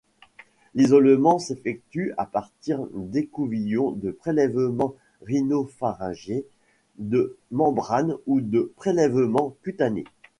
L'isolement s'effectue à partir d'écouvillons de prélèvements rhinopharyngés, de membranes ou de prélèvements cutanés.